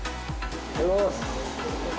おはようございます。